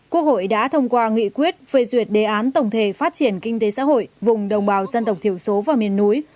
quốc hội đã thông qua nghị quyết về duyệt đề án tổng thể phát triển kinh tế xã hội vùng đồng bào dân tộc thiểu số và miền núi